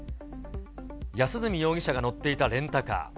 安栖容疑者が乗っていたレンタカー。